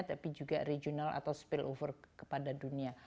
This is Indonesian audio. tapi juga regional atau spillover kepada dunia